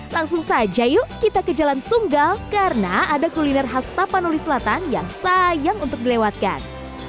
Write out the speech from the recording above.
langsung saja yuk kita ke jalan sunggal karena ada kuliner khas tapanuli selatan yang sayang untuk dilewatkan